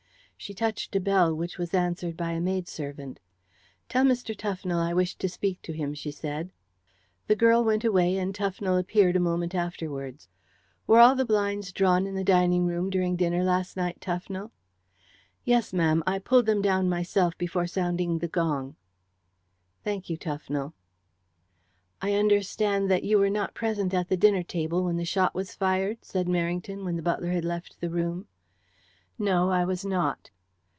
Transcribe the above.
She touched a bell, which was answered by a maidservant. "Tell Mr. Tufnell I wish to speak to him," she said. The girl went away, and Tufnell appeared a moment afterwards. "Were the blinds all drawn in the dining room during dinner last night, Tufnell?" "Yes, ma'am. I pulled them down myself before sounding the gong." "Thank you, Tufnell." "I understand that you were not present at the dinner table when the shot was fired?" said Merrington when the butler had left the room. "No, I was not."